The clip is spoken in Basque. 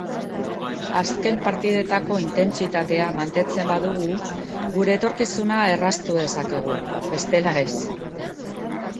Azken partidetako intentsitatea mantentzen badugu gure etorkizuna erraztu dezakegu, bestela, ez.